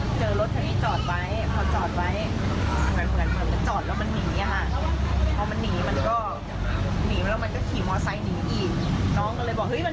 ไปป้ามคือเจออยู่อีกร้อยหนึ่ง